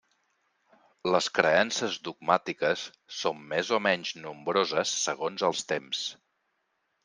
Les creences dogmàtiques són més o menys nombroses segons els temps.